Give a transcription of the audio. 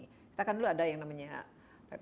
kita kan dulu ada yang namanya